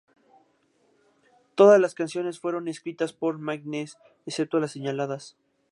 Todas las canciones fueron escritas por Mike Ness excepto las señaladas.